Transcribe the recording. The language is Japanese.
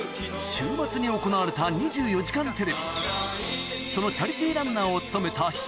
週末に行われた『２４時間テレビ』